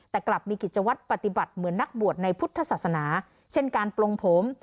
แต่กลับมีกิจวัตรปฏิบัติเหมือนนักบวชในพุทธศาสนาเช่นการปลงผม